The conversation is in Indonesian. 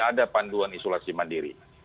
ada panduan isolasi mandiri